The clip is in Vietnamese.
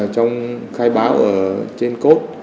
trong khai báo ở trên cốt